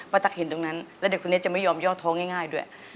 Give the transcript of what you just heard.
ตั๊กเห็นตรงนั้นแล้วเด็กคนนี้จะไม่ยอมย่อท้องง่ายด้วย